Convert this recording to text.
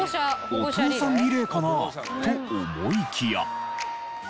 お父さんリレーかな？と思いきや。